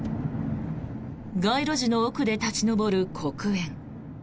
街路樹の奥で立ち上る黒煙。